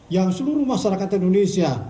yang seluruh masyarakat indonesia